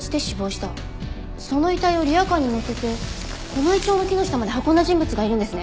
その遺体をリヤカーにのせてこのイチョウの木の下まで運んだ人物がいるんですね。